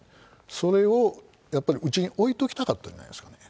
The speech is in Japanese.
それをやっぱりうちに置いときたかったんじゃないですかね。